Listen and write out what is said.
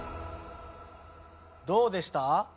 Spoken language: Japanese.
どうでした？